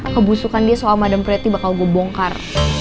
kebusukan dia soal madam pretty bakal gue bongkar